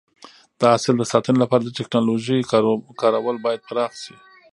د حاصل د ساتنې لپاره د ټکنالوژۍ کارول باید پراخ شي.